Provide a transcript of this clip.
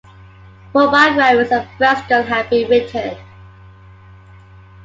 Four biographies of Prescott have been written.